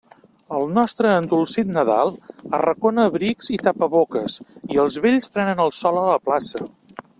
El nostre endolcit Nadal arracona abrics i tapaboques, i els vells prenen el sol a la plaça.